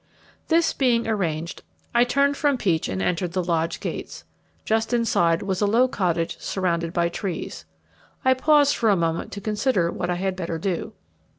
This being arranged, I turned from Peach and entered the lodge gates. Just inside was a low cottage surrounded by trees. I paused for a moment to consider what I had better do.